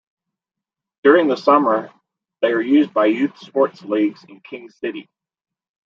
During the summer, they are used by youth sports leagues in King City.